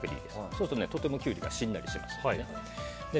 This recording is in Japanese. そうすると、とてもキュウリがしんなりします。